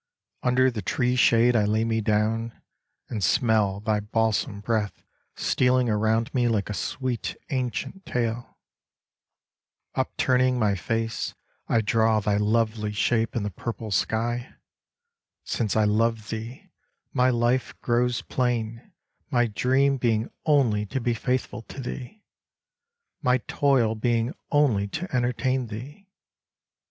Under the tree shade I lay me down, And smell thy balsam breath stealing Around me like a sweet ancient tale ; Upturning my face I draw Thy lovely shape in the purple sky : Since I love thee, my life grows plain, My dream being only to be faithful to thee, My toil being only to entertain thee.